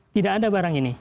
tidak ada barang ini